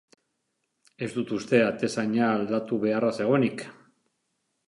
Ez dut uste atezaina aldatu beharra zegoenik.